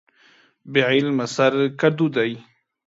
بې عمله سر کډو دى.